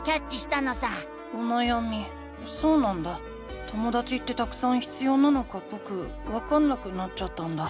ともだちってたくさん必要なのかぼくわかんなくなっちゃったんだ。